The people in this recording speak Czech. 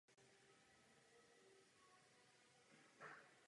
Působil jako politik a novinář.